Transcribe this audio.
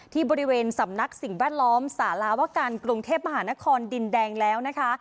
ที่บริเวณสำนักสิ่งแวดล้อมสาราวการกรุงเทพมหานครดินแดงแล้วนะคะ